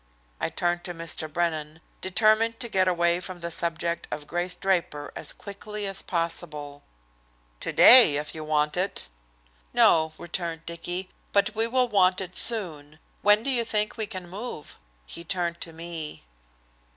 I turned to Mr. Brennan, determined to get away from the subject of Grace Draper as quickly as possible. "Today, if you want it." "No," returned Dicky, "but we will want it soon. When do you think we can move?" He turned to me.